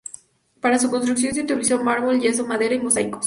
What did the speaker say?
Para su construcción se utilizó mármol, yeso, madera y mosaicos.